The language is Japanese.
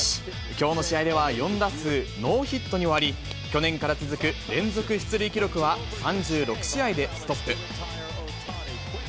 きょうの試合では、４打数ノーヒットに終わり、去年から続く連続出塁記録は３６試合でストップ。